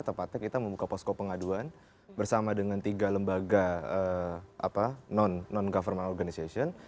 tepatnya kita membuka posko pengaduan bersama dengan tiga lembaga non government organization